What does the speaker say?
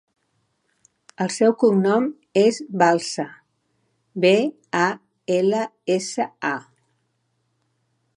El seu cognom és Balsa: be, a, ela, essa, a.